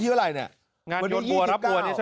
เหมือนยนต์๒๙